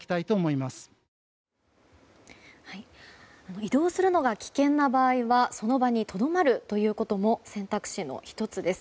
移動するのが危険な場合はその場にとどまるということも選択肢の１つです。